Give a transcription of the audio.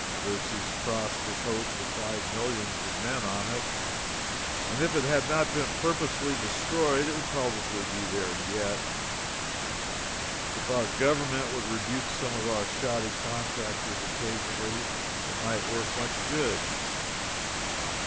Xerxes crossed his host of five millions of men on it, and if it had not been purposely destroyed, it would probably have been there yet. If our Government would rebuke some of our shoddy contractors occasionally, it might work much good.